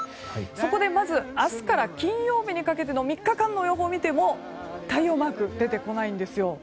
そこでまず、明日から金曜日にかけての３日間の予報を見ても太陽マーク、出てこないんです。